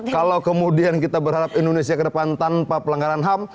kalau kemudian kita berharap indonesia ke depan tanpa pelanggaran ham